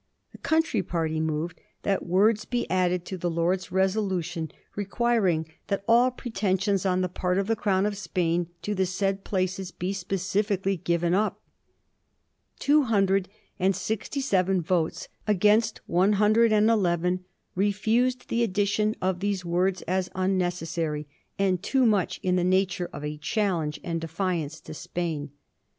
The country party moved that words be added to the Lords' resolution requiring * that all pretensions on the part of the Crown of Spain to the said places be specifi cally given up.' Two hundred and sixty seven votes, against one hundred and eleven, refused the addition of these words as unnecessary, and too much in the nature of a challenge and defiance to Spain.